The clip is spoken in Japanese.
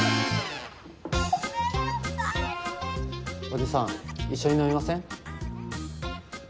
おじさん一緒に飲みません？